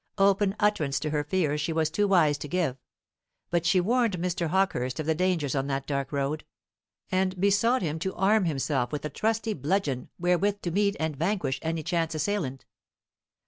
Open utterance to her fears she was too wise to give; but she warned Mr. Hawkehurst of the dangers on that dark road, and besought him to arm himself with a trusty bludgeon wherewith to meet and vanquish any chance assailant.